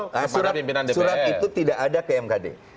kepada pimpinan dpr surat itu tidak ada ke mkd